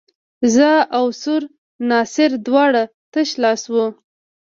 زه او سور ناصر دواړه تش لاس وو.